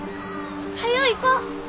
早う行こう！